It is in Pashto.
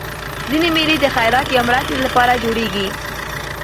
ځيني مېلې د خیرات یا مرستي له پاره جوړېږي.